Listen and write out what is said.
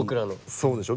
そうでしょう？